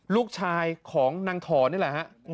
ลูกชายของนางถอนนี่แหละฮะ